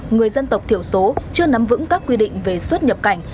người dân tộc thiểu số chưa nắm vững các quy định về xuất nhập cảnh